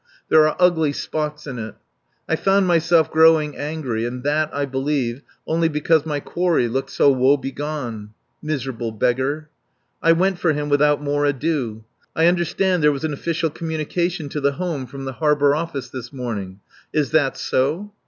There are ugly spots in it. I found myself growing angry, and that, I believe, only because my quarry looked so woe begone. Miserable beggar! I went for him without more ado. "I understand there was an official communication to the Home from the Harbour Office this morning. Is that so?"